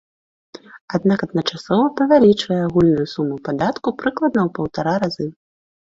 Аднак адначасова павялічвае агульную суму падатку прыкладна ў паўтара разы.